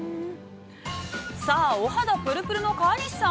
◆さあお肌ぷるぷるの川西さん？